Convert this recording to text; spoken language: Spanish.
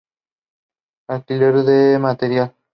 Alquiler de material.